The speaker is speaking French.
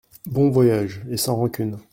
Bon voyage et sans rancune.